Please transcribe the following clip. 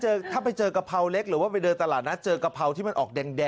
ถ้าไปเจอกะเพราเล็กหรือว่าไปเดินตลาดนัดเจอกะเพราที่มันออกแดง